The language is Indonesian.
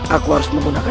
aku harus membunuhmu